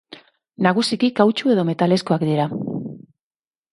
Nagusiki kautxu edo metalezkoak dira.